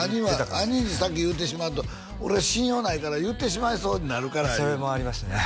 兄に先言うてしまうと俺信用ないから言ってしまいそうになるからそれもありましたね